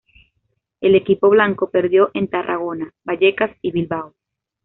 El equipo blanco perdió en Tarragona, Vallecas y Bilbao.